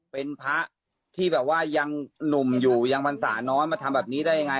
เป็นพระที่แบบว่ายังหนุ่มอยู่ยังพรรษาน้อยมาทำแบบนี้ได้ยังไง